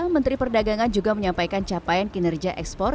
menteri perdagangan juga menyampaikan capaian kinerja ekspor